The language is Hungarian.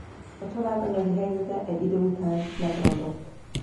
A család anyagi helyzete egy idő után megromlott.